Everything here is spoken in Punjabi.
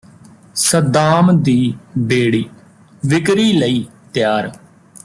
ਸੱਦਾਮ ਦੀ ਬੇੜੀ ਵਿਕਰੀ ਲਈ ਤਿਆਰ